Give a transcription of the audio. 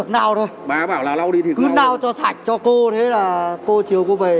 nào bà bảo cứ biệt nào thôi cứ lau cho sạch cho cô thế là cô chiều cô về